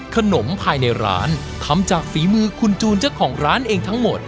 ขนมภายในร้านทำจากฝีมือคุณจูนเจ้าของร้านเองทั้งหมด